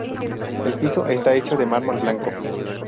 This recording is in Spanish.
El piso está hecho de mármol blanco.